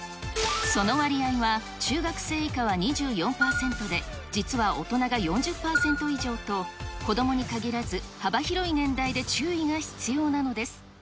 その割合は中学生以下は２４％で、実は大人が４０％以上と、子どもに限らず、幅広い年代で注意が必要なのです。